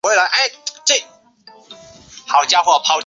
此点我们也可藉由时空图的方法来表现出。